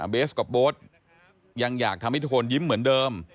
เบสกับโบ๊ทยังอยากทำให้ทุกคนยิ้มเหมือนเดิม